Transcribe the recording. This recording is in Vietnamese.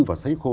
vào sấy khô